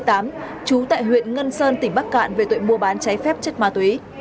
trú tại huyện ngân sơn tỉnh bắc cạn về tội mua bán cháy phép chất ma túy